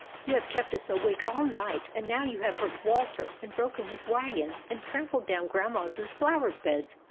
You have kept us awake all night, and now you have hurt Walter, and broken his wagon, and trampled down Grandma's flower beds.